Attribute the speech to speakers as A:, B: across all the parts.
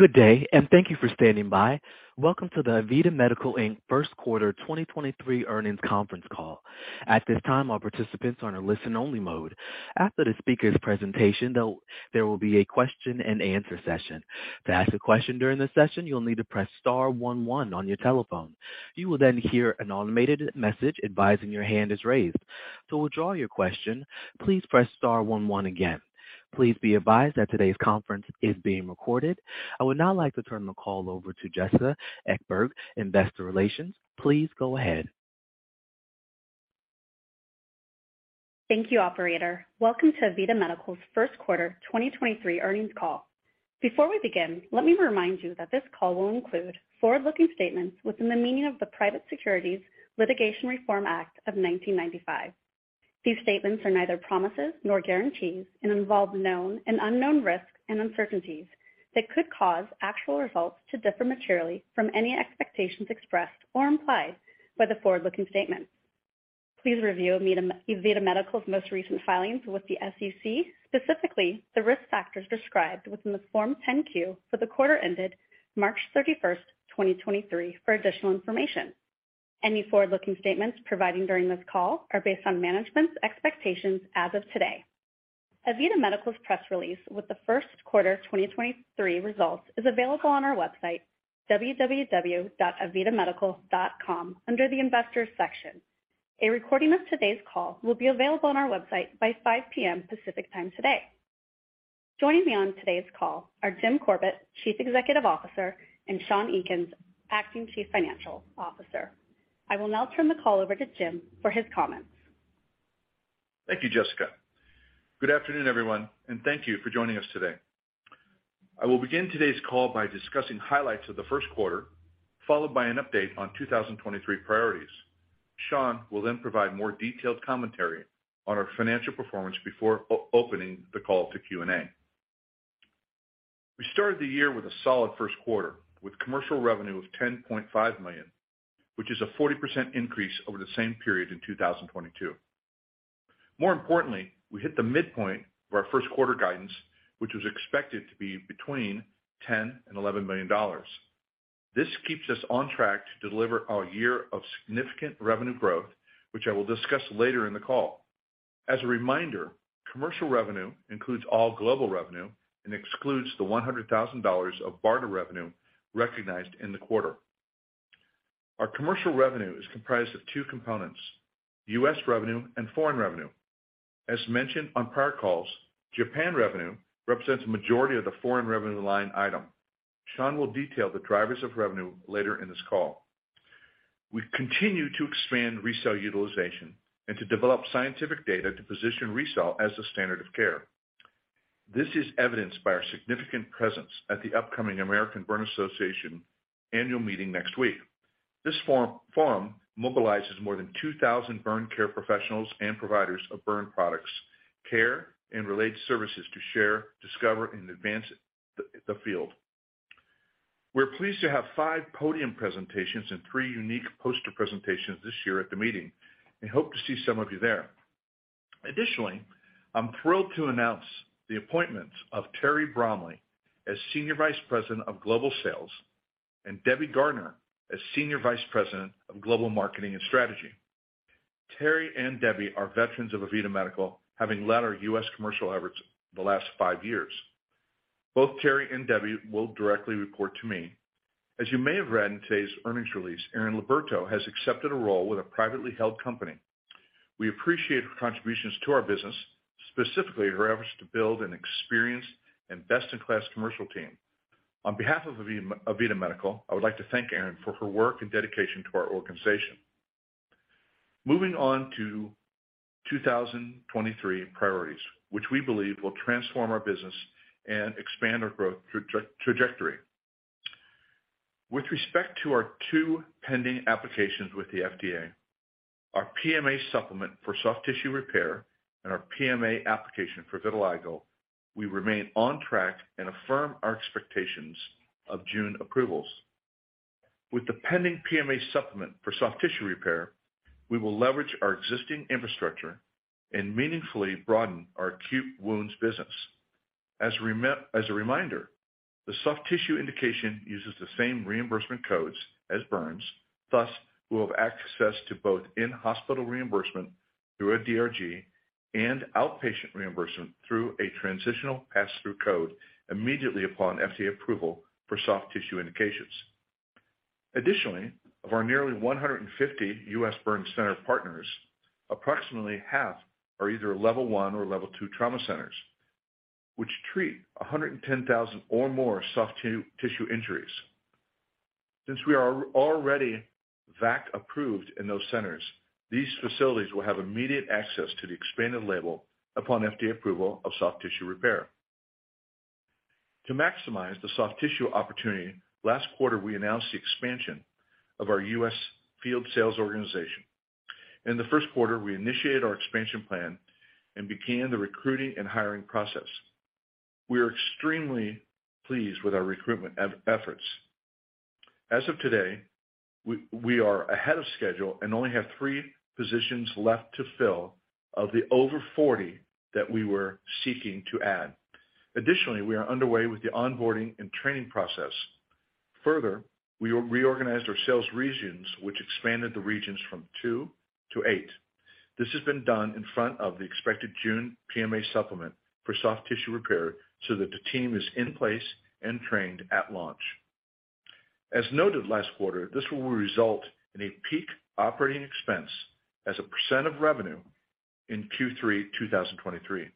A: Good day, and thank you for standing by. Welcome to the AVITA Medical, Inc. first quarter 2023 earnings conference call. At this time, all participants are in a listen only mode. After the speaker's presentation, there will be a question and answer session. To ask a question during the session, you'll need to press star one one on your telephone. You will then hear an automated message advising your hand is raised. To withdraw your question, please press star one one again. Please be advised that today's conference is being recorded. I would now like to turn the call over to Jessica Ekeberg, Investor Relations. Please go ahead.
B: Thank you, operator. Welcome to AVITA Medical's first quarter 2023 earnings call. Before we begin, let me remind you that this call will include forward-looking statements within the meaning of the Private Securities Litigation Reform Act of 1995. These statements are neither promises nor guarantees and involve known and unknown risks and uncertainties that could cause actual results to differ materially from any expectations expressed or implied by the forward-looking statements. Please review AVITA Medical's most recent filings with the SEC, specifically the risk factors described within the Form 10-Q for the quarter ended March 31st, 2023 for additional information. Any forward-looking statements providing during this call are based on management's expectations as of today. AVITA Medical's press release with the first quarter of 2023 results is available on our website www.avitamedical.com under the investors section. A recording of today's call will be available on our website by 5:00 P.M. Pacific Time today. Joining me on today's call are Jim Corbett, Chief Executive Officer, and Sean Ekins, Acting Chief Financial Officer. I will now turn the call over to Jim for his comments.
C: Thank you, Jessica. Good afternoon, everyone, thank you for joining us today. I will begin today's call by discussing highlights of the first quarter, followed by an update on 2023 priorities. Sean Ekins will then provide more detailed commentary on our financial performance before opening the call to Q&A. We started the year with a solid first quarter, with commercial revenue of $10.5 million, which is a 40% increase over the same period in 2022. More importantly, we hit the midpoint of our first quarter guidance, which was expected to be between $10 million-$11 million. This keeps us on track to deliver a year of significant revenue growth, which I will discuss later in the call. As a reminder, commercial revenue includes all global revenue and excludes the $100,000 of BARDA revenue recognized in the quarter. Our commercial revenue is comprised of two components, U.S. revenue and foreign revenue. As mentioned on prior calls, Japan revenue represents a majority of the foreign revenue line item. Sean will detail the drivers of revenue later in this call. We continue to expand RECELL utilization and to develop scientific data to position RECELL as a standard of care. This is evidenced by our significant presence at the upcoming American Burn Association annual meeting next week. This forum mobilizes more than 2,000 burn care professionals and providers of burn products, care and related services to share, discover, and advance the field. We're pleased to have five podium presentations and three unique poster presentations this year at the meeting and hope to see some of you there. Additionally, I'm thrilled to announce the appointments of Terry Bromm as Senior Vice President of Global Sales and Debbie Garner as Senior Vice President of Global Marketing and Strategy. Terry and Debbie are veterans of AVITA Medical, having led our US commercial efforts the last five years. Both Terry and Debbie will directly report to me. As you may have read in today's earnings release, Erin Liberto has accepted a role with a privately held company. We appreciate her contributions to our business, specifically her efforts to build an experienced and best-in-class commercial team. On behalf of AVITA Medical, I would like to thank Erin for her work and dedication to our organization. Moving on to 2023 priorities, which we believe will transform our business and expand our growth trajectory. With respect to our two pending applications with the FDA, our PMA supplement for soft tissue repair and our PMA application for vitiligo, we remain on track and affirm our expectations of June approvals. With the pending PMA supplement for soft tissue repair, we will leverage our existing infrastructure and meaningfully broaden our acute wounds business. As a reminder, the soft tissue indication uses the same reimbursement codes as burns, thus we'll have access to both in-hospital reimbursement through a DRG and outpatient reimbursement through a transitional pass-through code immediately upon FDA approval for soft tissue indications. Of our nearly 150 U.S. burn center partners, approximately half are either level one or level two trauma centers, which treat 110,000 or more soft tissue injuries. Since we are already VAC approved in those centers, these facilities will have immediate access to the expanded label upon FDA approval of soft tissue repair. To maximize the soft tissue opportunity, last quarter, we announced the expansion of our U.S. field sales organization. In the first quarter, we initiated our expansion plan and began the recruiting and hiring process. We are extremely pleased with our recruitment efforts. As of today, we are ahead of schedule and only have three positions left to fill of the over 40 that we were seeking to add. Additionally, we are underway with the onboarding and training process. We organized our sales regions, which expanded the regions from two to eight. This has been done in front of the expected June PMA supplement for soft tissue repair so that the team is in place and trained at launch. As noted last quarter, this will result in a peak operating expense as a % of revenue in Q3 2023.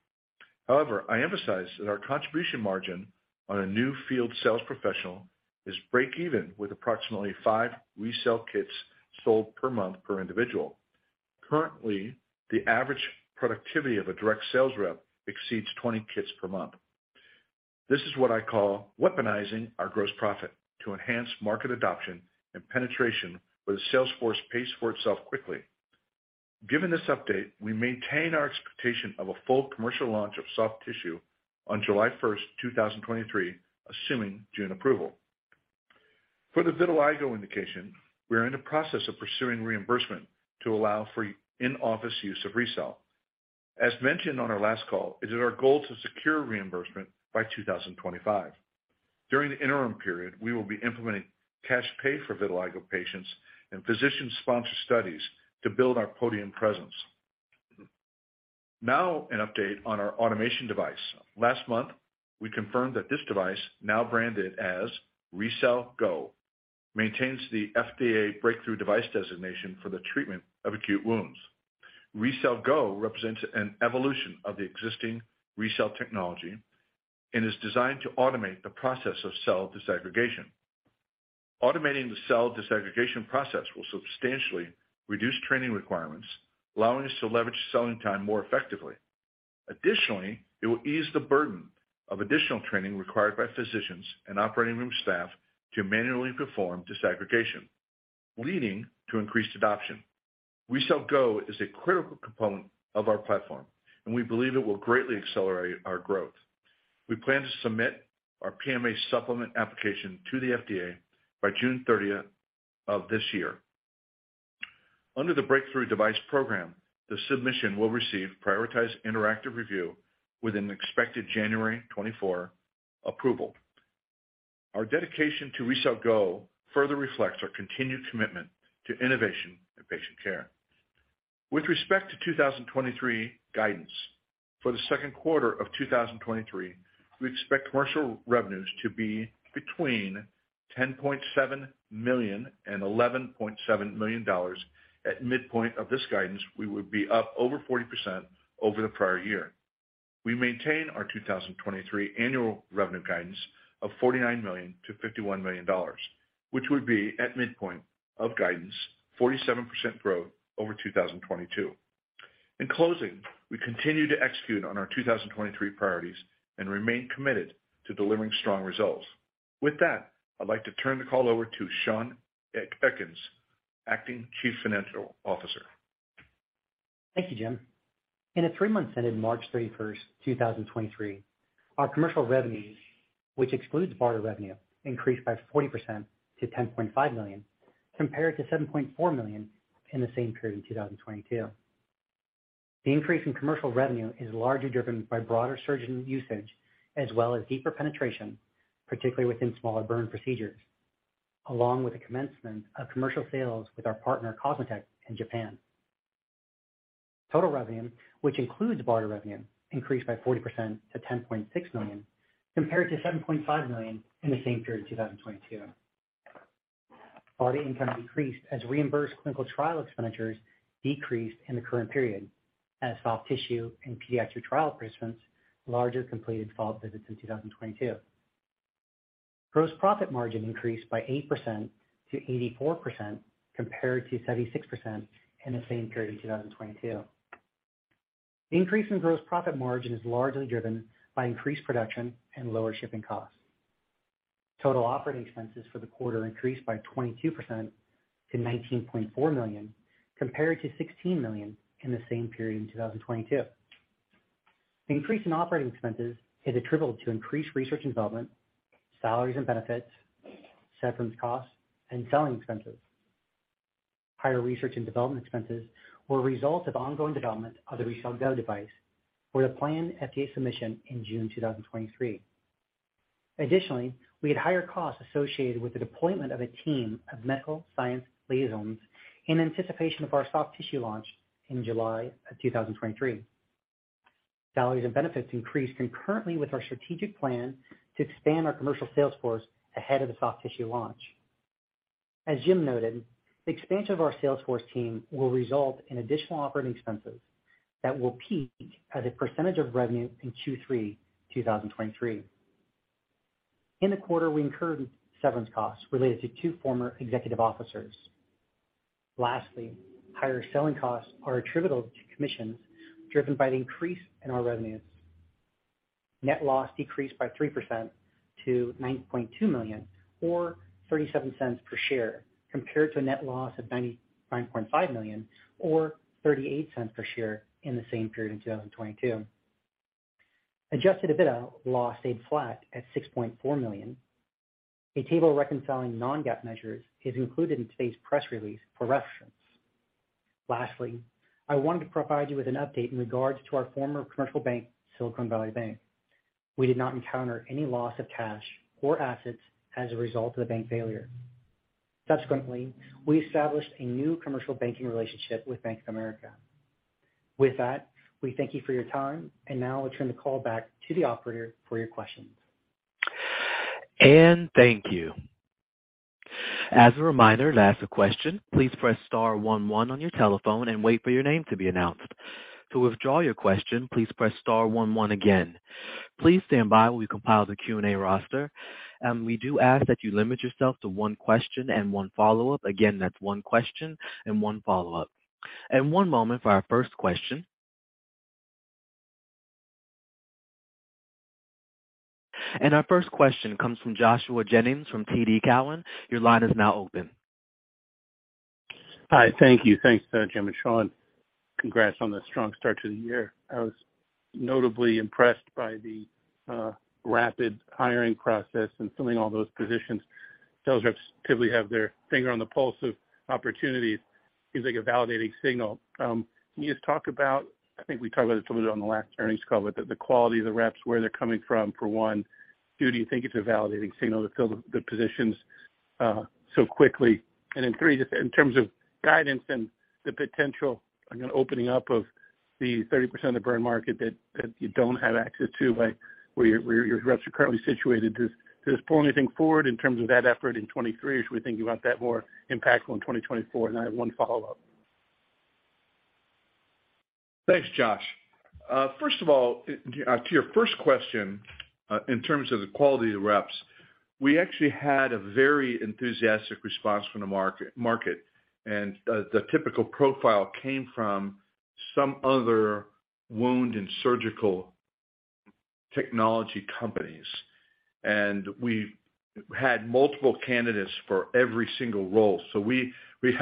C: I emphasize that our contribution margin on a new field sales professional is break even with approximately five RECELL kits sold per month per individual. Currently, the average productivity of a direct sales rep exceeds 20 kits per month. This is what I call weaponizing our gross profit to enhance market adoption and penetration where the sales force pays for itself quickly. Given this update, we maintain our expectation of a full commercial launch of soft tissue on July 1, 2023, assuming June approval. For the vitiligo indication, we are in the process of pursuing reimbursement to allow for in-office use of RECELL. As mentioned on our last call, it is our goal to secure reimbursement by 2025. During the interim period, we will be implementing cash pay for vitiligo patients and physician-sponsored studies to build our podium presence. An update on our automation device. Last month, we confirmed that this device, now branded as RECELL GO, maintains the FDA Breakthrough Device designation for the treatment of acute wounds. RECELL GO represents an evolution of the existing RECELL technology and is designed to automate the process of cell disaggregation. Automating the cell disaggregation process will substantially reduce training requirements, allowing us to leverage selling time more effectively. It will ease the burden of additional training required by physicians and operating room staff to manually perform disaggregation, leading to increased adoption. RECELL GO is a critical component of our platform, and we believe it will greatly accelerate our growth. We plan to submit our PMA supplement application to the FDA by June 30th of this year. Under the Breakthrough Device program, the submission will receive prioritized interactive review with an expected January 2024 approval. Our dedication to RECELL GO further reflects our continued commitment to innovation and patient care. With respect to 2023 guidance, for the second quarter of 2023, we expect commercial revenues to be between $10.7 million and $11.7 million. At midpoint of this guidance, we would be up over 40% over the prior year. We maintain our 2023 annual revenue guidance of $49 million-$51 million, which would be at midpoint of guidance, 47% growth over 2022. In closing, we continue to execute on our 2023 priorities and remain committed to delivering strong results. With that, I'd like to turn the call over to Sean Ekins, Acting Chief Financial Officer.
D: Thank you, Jim. In the three months ended March 31, 2023, our commercial revenues, which excludes BARDA revenue, increased by 40% to $10.5 million, compared to $7.4 million in the same period in 2022. The increase in commercial revenue is largely driven by broader surgeon usage as well as deeper penetration, particularly within smaller burn procedures, along with the commencement of commercial sales with our partner COSMOTEC in Japan. Total revenue, which includes BARDA revenue, increased by 40% to $10.6 million, compared to $7.5 million in the same period in 2022. BARDA income decreased as reimbursed clinical trial expenditures decreased in the current period as soft tissue and pediatric trial participants largely completed follow-up visits in 2022. Gross profit margin increased by 8%-84%, compared to 76% in the same period in 2022. The increase in gross profit margin is largely driven by increased production and lower shipping costs. Total operating expenses for the quarter increased by 22% to $19.4 million, compared to $16 million in the same period in 2022. The increase in operating expenses is attributable to increased research and development, salaries and benefits, severance costs, and selling expenses. Higher research and development expenses were a result of ongoing development of the RECELL GO device with a planned FDA submission in June 2023. Additionally, we had higher costs associated with the deployment of a team of medical science liaisons in anticipation of our soft tissue launch in July of 2023. Salaries and benefits increased concurrently with our strategic plan to expand our commercial sales force ahead of the soft tissue launch. As Jim noted, the expansion of our sales force team will result in additional operating expenses that will peak as a percentage of revenue in Q3 2023. In the quarter, we incurred severance costs related to two former executive officers. Lastly, higher selling costs are attributable to commissions driven by the increase in our revenues. Net loss decreased by 3% to $9.2 million, or $0.37 per share, compared to a net loss of $99.5 million or $0.38 per share in the same period in 2022. Adjusted EBITDA loss stayed flat at $6.4 million. A table reconciling non-GAAP measures is included in today's press release for reference. Lastly, I wanted to provide you with an update in regards to our former commercial bank, Silicon Valley Bank. We did not encounter any loss of cash or assets as a result of the bank failure. Subsequently, we established a new commercial banking relationship with Bank of America. With that, we thank you for your time, and now I'll turn the call back to the operator for your questions.
A: Thank you. As a reminder, to ask a question, please press star one one on your telephone and wait for your name to be announced. To withdraw your question, please press star one one again. Please stand by while we compile the Q&A roster. We do ask that you limit yourself to one question and one follow-up. Again, that's one question and one follow-up. One moment for our first question. Our first question comes from Joshua Jennings from TD Cowen. Your line is now open.
E: Hi. Thank you. Thanks, Jim and Sean. Congrats on the strong start to the year. I was notably impressed by the rapid hiring process and filling all those positions. Sales reps typically have their finger on the pulse of opportunities. Seems like a validating signal. Can you just talk about... I think we talked about this a little bit on the last earnings call, but the quality of the reps, where they're coming from, for one. Two, do you think it's a validating signal to fill the positions so quickly? Three, just in terms of guidance and the potential, again, opening up of the 30% of the burn market that you don't have access to by where your reps are currently situated, does this pull anything forward in terms of that effort in 2023, or should we think about that more impactful in 2024? I have one follow-up.
C: Thanks, Josh. First of all, to your first question, in terms of the quality of the reps, we actually had a very enthusiastic response from the market. The typical profile came from some other wound and surgical technology companies. We had multiple candidates for every single role. We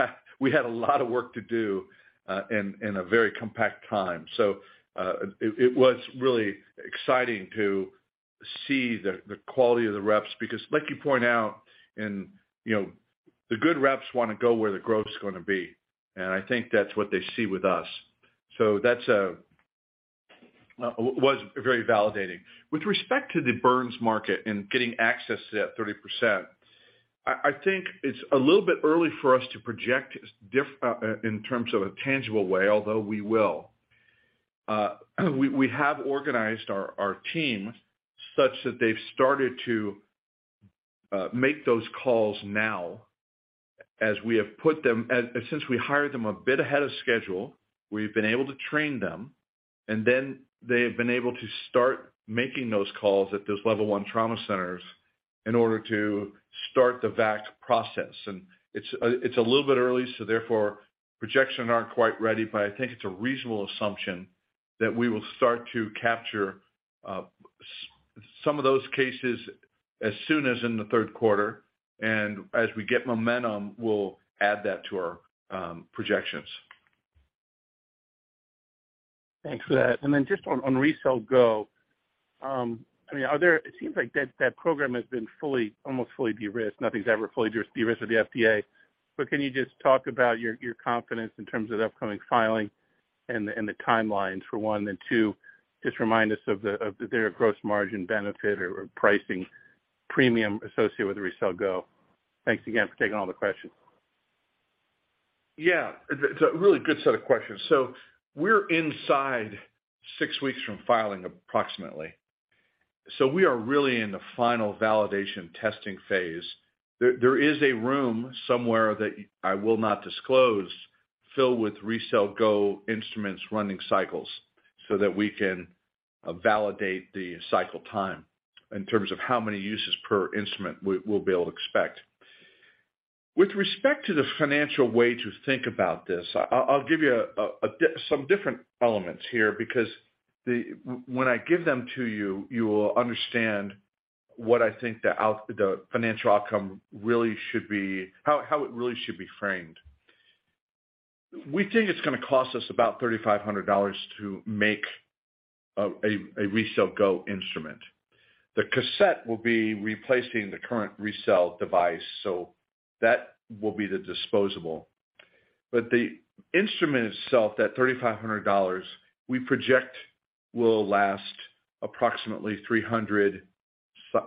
C: had a lot of work to do, in a very compact time. It was really exciting to see the quality of the reps, because like you point out, and, you know, the good reps wanna go where the growth is gonna be. I think that's what they see with us. That's, was very validating. With respect to the burns market and getting access to that 30%, I think it's a little bit early for us to project in terms of a tangible way, although we will. We have organized our team such that they've started to make those calls now. Since we hired them a bit ahead of schedule, we've been able to train them, and then they have been able to start making those calls at those level one trauma centers in order to start the VAC process. It's a little bit early, so therefore, projections aren't quite ready, but I think it's a reasonable assumption that we will start to capture some of those cases as soon as in the third quarter. As we get momentum, we'll add that to our projections.
E: Thanks for that. Just on RECELL GO, I mean, it seems like that program has been fully, almost fully de-risked. Nothing's ever fully de-risked with the FDA. Can you just talk about your confidence in terms of the upcoming filing and the timelines for one? Two, just remind us of the gross margin benefit or pricing premium associated with the RECELL GO. Thanks again for taking all the questions.
C: Yeah. It's a really good set of questions. We're inside six weeks from filing approximately. We are really in the final validation testing phase. There is a room somewhere that I will not disclose, filled with RECELL GO instruments running cycles so that we can validate the cycle time in terms of how many uses per instrument we'll be able to expect. With respect to the financial way to think about this, I'll give you some different elements here because when I give them to you will understand what I think the financial outcome really should be. How it really should be framed. We think it's gonna cost us about $3,500 to make a RECELL GO instrument. The cassette will be replacing the current RECELL device, so that will be the disposable. The instrument itself, that $3,500, we project will last approximately 300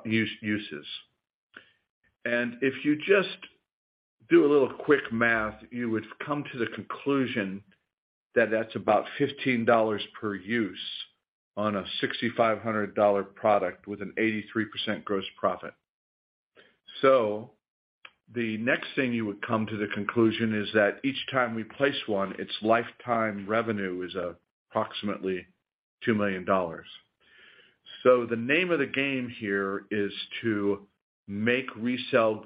C: uses. If you just do a little quick math, you would come to the conclusion that that's about $15 per use on a $6,500 product with an 83% gross profit. The next thing you would come to the conclusion is that each time we place one, its lifetime revenue is approximately $2 million. The name of the game here is to make RECELL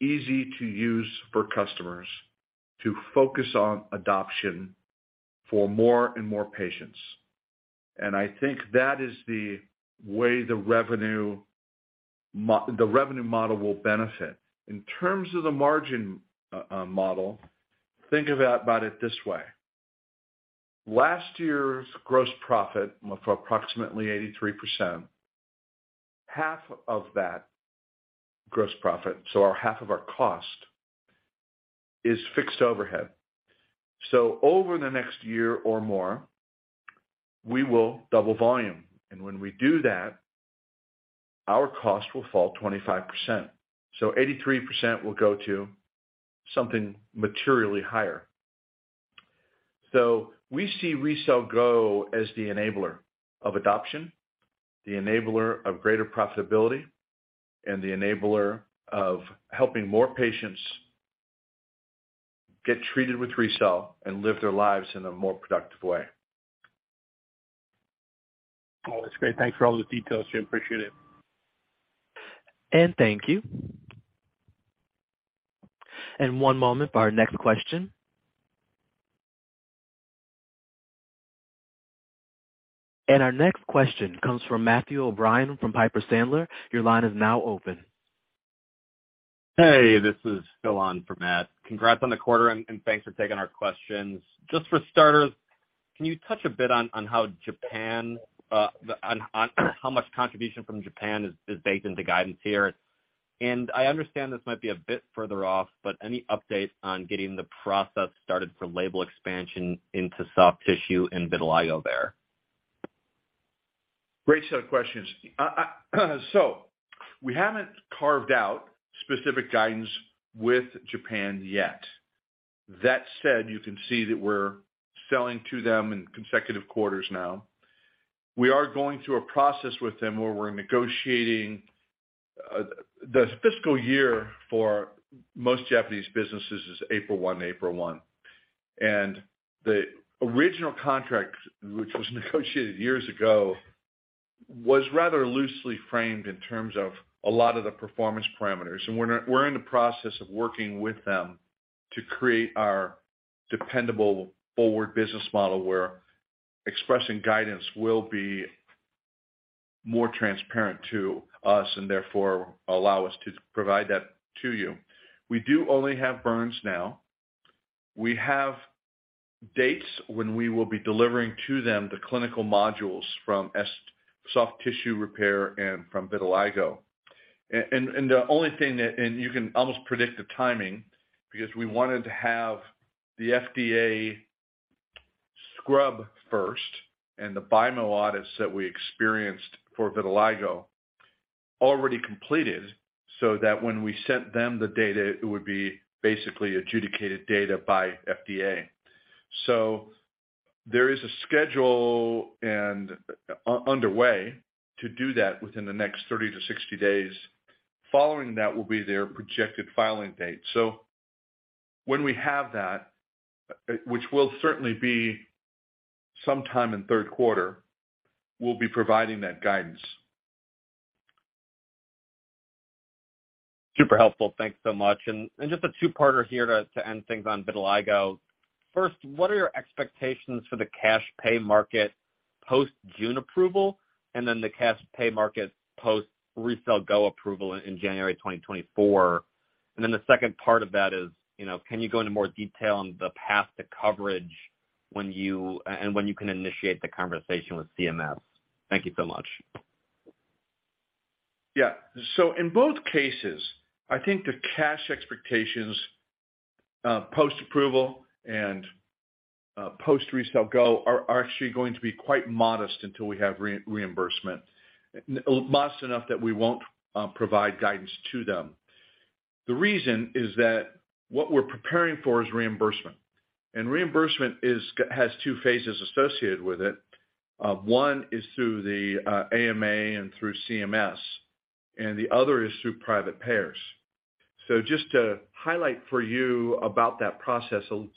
C: easy to use for customers to focus on adoption for more and more patients. I think that is the way the revenue model will benefit. In terms of the margin model, think of that about it this way: last year's gross profit of approximately 83%, half of that gross profit, so our half of our cost, is fixed overhead. Over the next year or more, we will double volume. When we do that, our cost will fall 25%. 83% will go to something materially higher. We see RECELL GO as the enabler of adoption, the enabler of greater profitability, and the enabler of helping more patients get treated with RECELL and live their lives in a more productive way.
E: Oh, that's great. Thanks for all the details, Jim. Appreciate it.
A: Thank you. One moment for our next question. Our next question comes from Matthew O'Brien from Piper Sandler. Your line is now open.
F: Hey, this is Phil on for Matt. Congrats on the quarter and thanks for taking our questions. Just for starters, can you touch a bit on how Japan, on how much contribution from Japan is baked into guidance here? I understand this might be a bit further off, but any update on getting the process started for label expansion into soft tissue and vitiligo there?
C: Great set of questions. We haven't carved out specific guidance with Japan yet. That said, you can see that we're selling to them in consecutive quarters now. We are going through a process with them where we're negotiating, the fiscal year for most Japanese businesses is April 1. The original contract, which was negotiated years ago, was rather loosely framed in terms of a lot of the performance parameters. We're in the process of working with them to create our dependable forward business model, where expressing guidance will be more transparent to us and therefore allow us to provide that to you. We do only have burns now. We have dates when we will be delivering to them the clinical modules from soft tissue repair and from vitiligo. The only thing that... You can almost predict the timing because we wanted to have the FDA scrub first and the BIMO audits that we experienced for vitiligo already completed, so that when we sent them the data, it would be basically adjudicated data by FDA. There is a schedule and underway to do that within the next 30 to 60 days. Following that will be their projected filing date. When we have that, which will certainly be sometime in third quarter, we'll be providing that guidance.
F: Super helpful. Thanks so much. Just a two-parter here to end things on vitiligo. First, what are your expectations for the cash pay market post-June approval and then the cash pay market post RECELL GO approval in January 2024? The second part of that is, you know, can you go into more detail on the path to coverage when you can initiate the conversation with CMS? Thank you so much.
C: Yeah. In both cases, I think the cash expectations post-approval and post RECELL GO are actually going to be quite modest until we have reimbursement. Modest enough that we won't provide guidance to them. The reason is that what we're preparing for is reimbursement. Reimbursement has two phases associated with it. One is through the AMA and through CMS, and the other is through private payers. Just to highlight for you about that process, I'll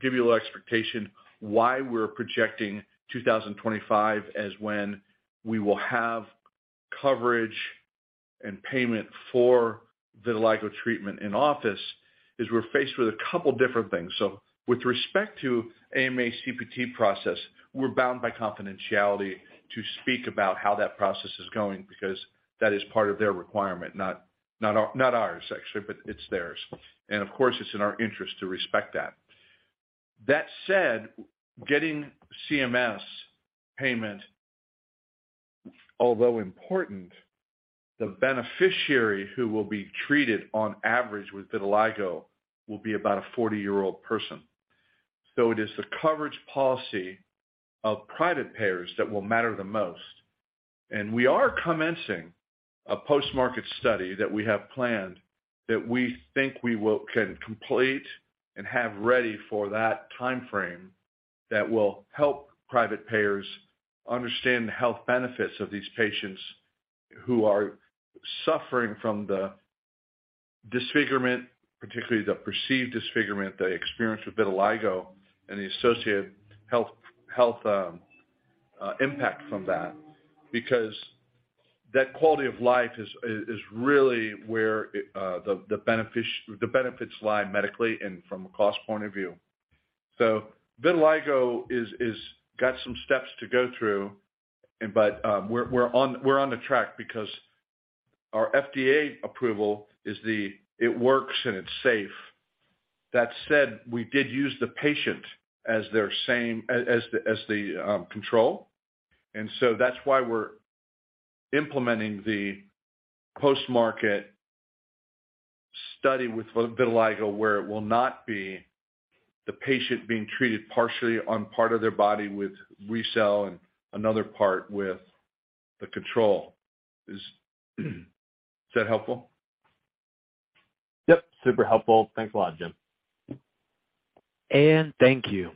C: give you a little expectation why we're projecting 2025 as when we will have coverage and payment for vitiligo treatment in office, is we're faced with a couple different things. With respect to AMA CPT process, we're bound by confidentiality to speak about how that process is going because that is part of their requirement, not our, not ours, actually, but it's theirs. Of course, it's in our interest to respect that. That said, getting CMS payment, although important, the beneficiary who will be treated on average with vitiligo will be about a 40-year-old person. It is the coverage policy of private payers that will matter the most. We are commencing a post-market study that we have planned that we think we can complete and have ready for that timeframe that will help private payers understand the health benefits of these patients who are suffering from the disfigurement, particularly the perceived disfigurement they experience with vitiligo and the associated health impact from that. That quality of life is really where the benefits lie medically and from a cost point of view. Vitiligo is got some steps to go through. We're on the track because our FDA approval is the it works and it's safe. That said, we did use the patient as their control. That's why we're implementing the post-market study with vitiligo, where it will not be the patient being treated partially on part of their body with RECELL and another part with the control. Is that helpful?
F: Yep, super helpful. Thanks a lot, Jim.
A: Thank you.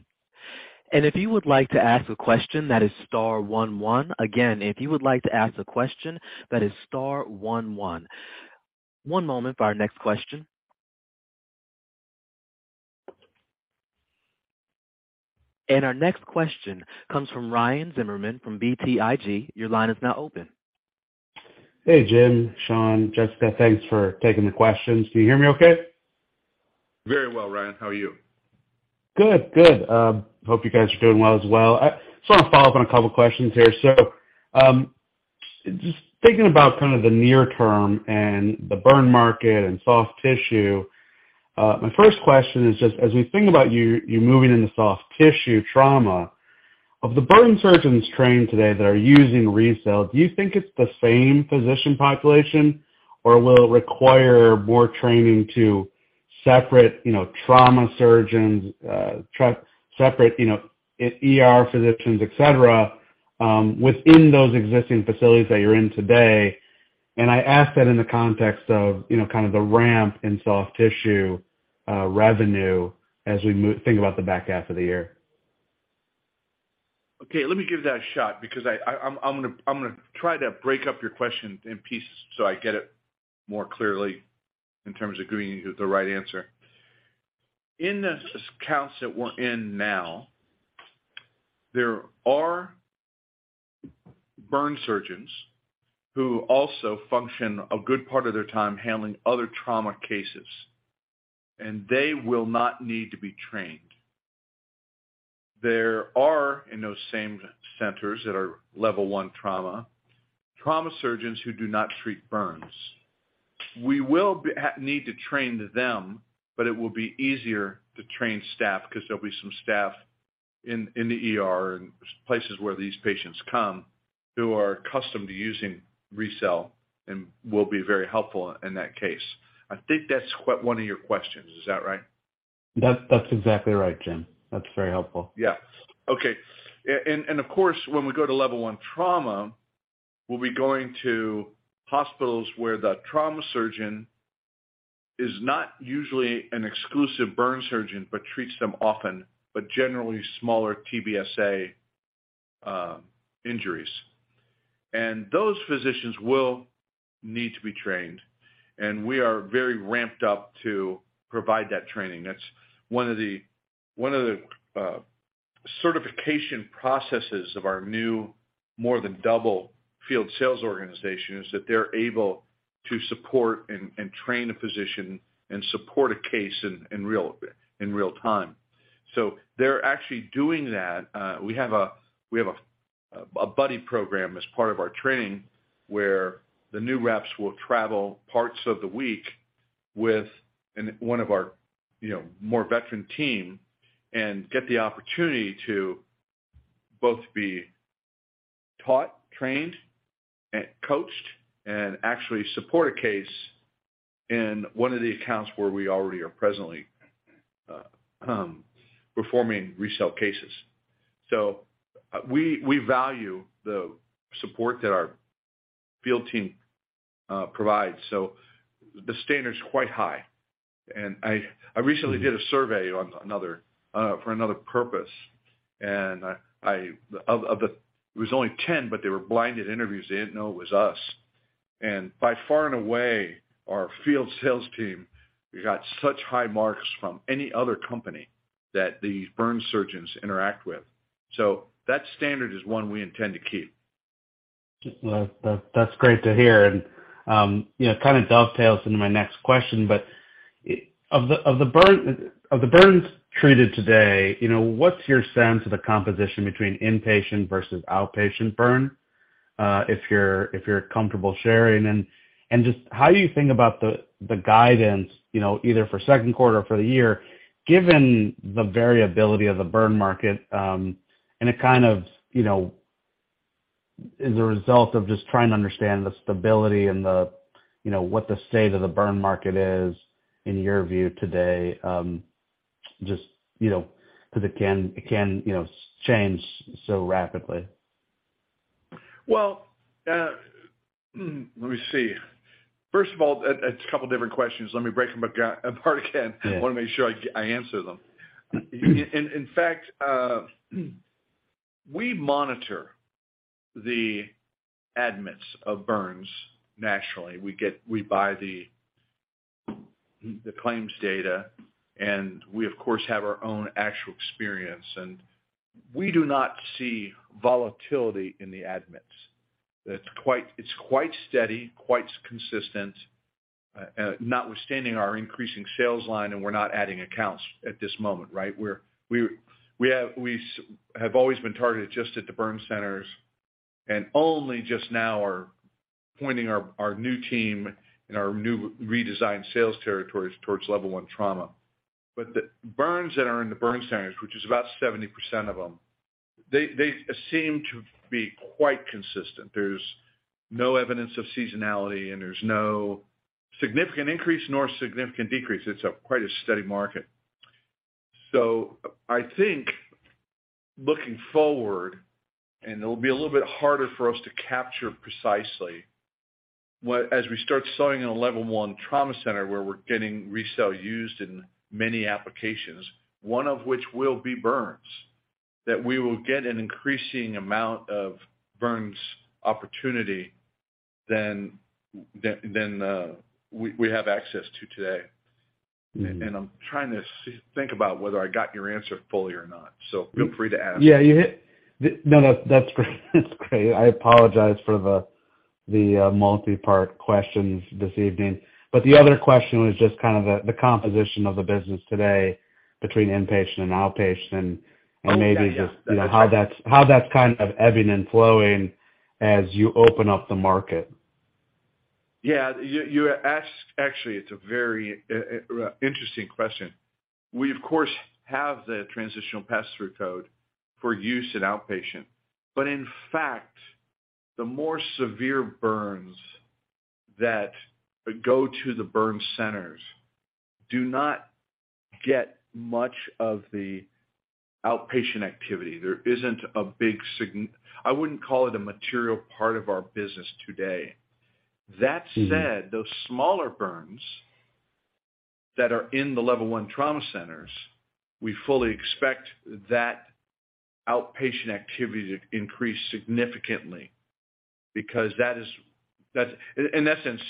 A: If you would like to ask a question, that is star one one. Again, if you would like to ask a question, that is star one one. One moment for our next question. Our next question comes from Ryan Zimmerman from BTIG. Your line is now open.
G: Hey, Jim, Sean, Jessica. Thanks for taking the questions. Can you hear me okay?
C: Very well, Ryan, how are you?
G: Good. Good. Hope you guys are doing well as well. I just wanna follow up on a couple questions here. Just thinking about kind of the near term and the burn market and soft tissue. My first question is just as we think about you moving into soft tissue trauma, of the burn surgeons trained today that are using RECELL, do you think it's the same physician population or will it require more training to separate, you know, trauma surgeons, separate, you know, ER physicians, et cetera, within those existing facilities that you're in today? I ask that in the context of, you know, kind of the ramp in soft tissue revenue as we think about the back half of the year.
C: Okay, let me give that a shot because I'm gonna try to break up your question in pieces so I get it more clearly in terms of giving you the right answer. In the accounts that we're in now, there are burn surgeons who also function a good part of their time handling other trauma cases. They will not need to be trained. There are, in those same centers that are level one trauma surgeons who do not treat burns. We will need to train them, but it will be easier to train staff because there'll be some staff in the ER and places where these patients come who are accustomed to using RECELL and will be very helpful in that case. I think that's one of your questions. Is that right?
G: That's exactly right, Jim. That's very helpful.
C: Yeah. Okay. Of course, when we go to level one trauma, we'll be going to hospitals where the trauma surgeon is not usually an exclusive burn surgeon, but treats them often, but generally smaller TBSA injuries. Those physicians will need to be trained, and we are very ramped up to provide that training. That's one of the certification processes of our new more than double field sales organization, is that they're able to support and train a physician and support a case in real time. They're actually doing that. We have a buddy program as part of our training where the new reps will travel parts of the week with one of our, you know, more veteran team and get the opportunity to both be taught, trained, and coached and actually support a case in one of the accounts where we already are presently performing RECELL cases. We value the support that our field team provides, so the standard is quite high. I recently did a survey on another for another purpose, and I, of the... It was only 10, but they were blinded interviews. They didn't know it was us. By far and away, our field sales team got such high marks from any other company that these burn surgeons interact with. That standard is one we intend to keep.
G: Well, that's great to hear and, you know, kind of dovetails into my next question, but of the burns treated today, you know, what's your sense of the composition between inpatient versus outpatient burn? If you're comfortable sharing. And just how you think about the guidance, you know, either for second quarter or for the year, given the variability of the burn market, and it kind of, you know, as a result of just trying to understand the stability and the, you know, what the state of the burn market is in your view today, just, you know, 'cause it can, you know, change so rapidly.
C: Well, let me see. First of all, that's a couple different questions. Let me break them apart again.
G: Yeah.
C: Wanna make sure I answer them. In fact, we monitor the admits of burns naturally. We buy the claims data. We of course, have our own actual experience. We do not see volatility in the admits. It's quite steady, quite consistent. Notwithstanding our increasing sales line, we're not adding accounts at this moment, right? We have always been targeted just at the burn centers. Only just now are pointing our new team and our new redesigned sales territories towards level one trauma. The burns that are in the burn centers, which is about 70% of them, they seem to be quite consistent. There's no evidence of seasonality. There's no significant increase nor significant decrease. It's a quite a steady market. I think looking forward, and it'll be a little bit harder for us to capture precisely, as we start selling in a level one trauma center where we're getting RECELL used in many applications, one of which will be burns, that we will get an increasing amount of burns opportunity than we have access to today.
G: Mm-hmm.
C: I'm trying to think about whether I got your answer fully or not, feel free to add.
G: Yeah, you hit... No, no, that's great. That's great. I apologize for the multi-part questions this evening. The other question was just kind of the composition of the business today between inpatient and outpatient...
C: Okay, yeah.
G: Maybe just, you know, how that's, how that's kind of ebbing and flowing as you open up the market.
C: Yeah, you asked. Actually, it's a very interesting question. We of course have the transitional pass-through code for use in outpatient. In fact, the more severe burns that go to the burn centers do not get much of the outpatient activity. There isn't a big I wouldn't call it a material part of our business today.
G: Mm-hmm.
C: That said, those smaller burns that are in the level one trauma centers, we fully expect that outpatient activity to increase significantly because that is. In essence,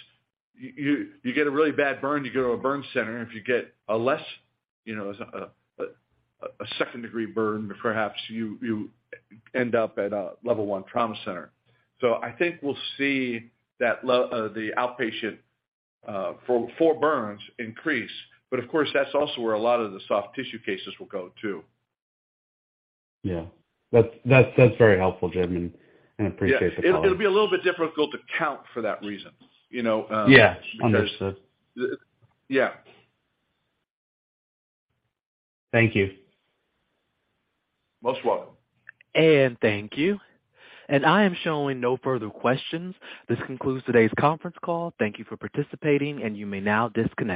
C: you get a really bad burn, you go to a burn center. If you get a less, you know, a second-degree burn, perhaps you end up at a level one trauma center. I think we'll see that the outpatient for burns increase. Of course, that's also where a lot of the soft tissue cases will go too.
G: Yeah. That's very helpful, Jim, and I appreciate the call.
C: Yeah. It'll be a little bit difficult to count for that reason, you know.
G: Yeah. Understood.
C: Yeah.
G: Thank you.
C: Most welcome.
A: Thank you. I am showing no further questions. This concludes today's conference call. Thank you for participating. You may now disconnect.